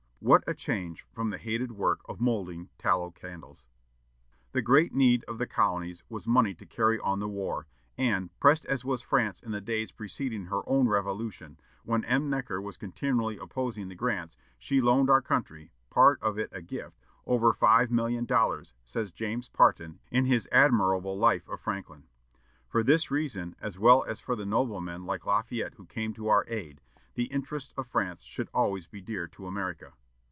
What a change from the hated work of moulding tallow candles! The great need of the colonies was money to carry on the war, and, pressed as was France in the days preceding her own revolution, when M. Necker was continually opposing the grants, she loaned our country part of it a gift over five million dollars, says James Parton, in his admirable life of Franklin. For this reason, as well as for the noble men like Lafayette who came to our aid, the interests of France should always be dear to America.